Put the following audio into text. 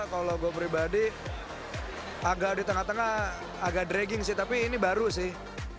kalau gue pribadi agak di tengah tengah agak dragging sih tapi ini baru sih